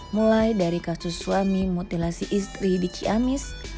mulai dari kasus suami mutilasi istri di ciamis